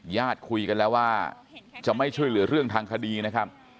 ญาติคุยกันแล้วว่าจะไม่ช่วยเหลือเรื่องทางคดีนะครับ